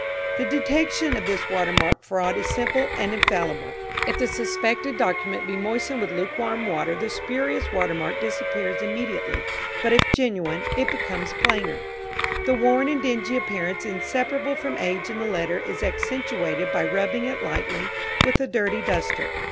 The detection of this watermark fraud is simple and infallible. If the suspected document be moistened with lukewarm water the spurious watermark disappears immediately, but if genuine, it becomes plainer. The worn and dingy appearance inseparable from age in a letter is accentuated by rubbing it lightly with a dirty duster.